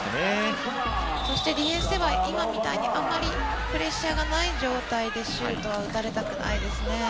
そしてディフェンスでは今みたいにあまりプレッシャーがない状態でシュートは打たれたくないですね。